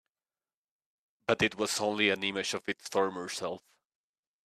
But it was only an image of its former self.